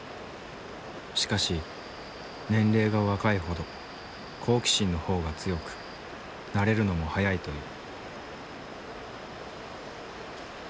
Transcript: しかし年齢が若いほど好奇心の方が強く慣れるのも早いという。